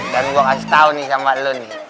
dan gua kasih tau nih sama lu nih